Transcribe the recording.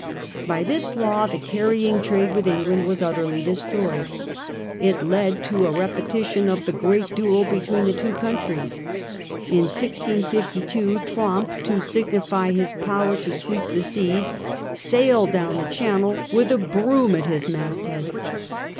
By this law the carrying trade with England was utterly destroyed. It led to a repeti tion of the great duel between the two countries. In 1652 Tromp, to signify his power to sweep the seas, sailed down the Channel with a broom at his masthead.